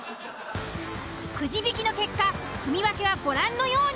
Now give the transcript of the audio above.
くじ引きの結果組分けはご覧のように。